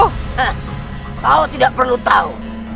hah kau tidak perlu tahu